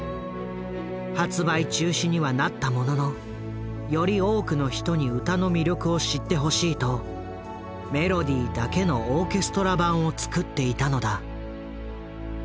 発売中止にはなったもののより多くの人に歌の魅力を知ってほしいとメロディーだけのオーケストラ版を作っていたのだ。